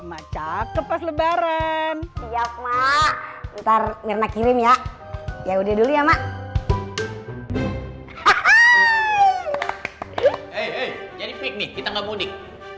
macak ke pas lebaran siap mak ntar mirna kirim ya ya udah dulu ya mak jadi piknik kita nggak mudik